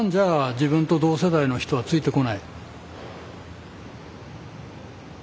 自分と同世代の人はついてこない。